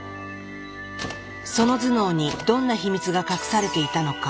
その頭脳にどんな秘密が隠されていたのか。